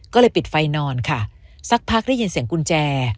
ก็เลยปิดไฟนอนค่ะสักพักได้ยินเสียงกุญแจ